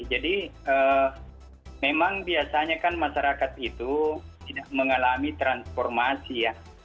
jadi memang biasanya kan masyarakat itu mengalami transformasi ya